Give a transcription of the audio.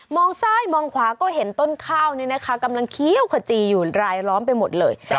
มองซ้ายมองขวาก็เห็นต้นข้าวกำลังคิ้วขจีอยู่รายล้อมไปหมดเลย